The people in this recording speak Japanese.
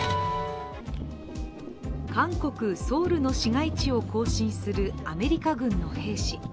韓国・ソウルの市街地を行進するアメリカ軍の兵士。